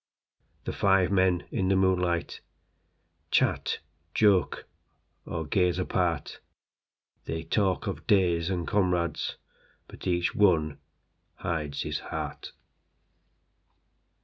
The five men in the moonlightChat, joke, or gaze apart. They talk of days and comrades, But each one hides his heart.